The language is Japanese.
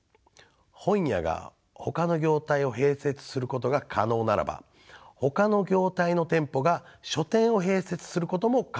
本屋がほかの業態を併設することが可能ならばほかの業態の店舗が書店を併設することも可能だからです。